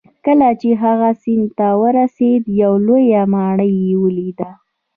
کله چې هغه سیند ته ورسید یوه لویه ماڼۍ یې ولیده.